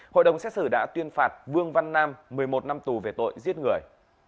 hội đồng xét xử đã tuyên phạt vương văn nam một mươi một năm tù về tội giết người